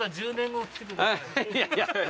いやいや。